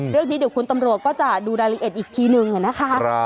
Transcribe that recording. เรื่องนี้เดี๋ยวคุณตำรวจก็จะดูรายละเอียดอีกทีนึงนะคะ